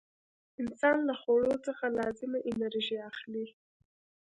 انسان له خوړو څخه لازمه انرژي اخلي.